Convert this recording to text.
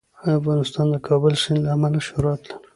افغانستان د د کابل سیند له امله شهرت لري.